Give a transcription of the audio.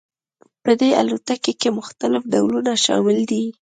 په دې الوتکو کې مختلف ډولونه شامل دي